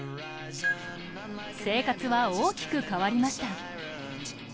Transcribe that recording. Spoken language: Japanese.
生活は大きく変わりました。